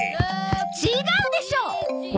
違うでしょ！